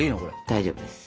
大丈夫です。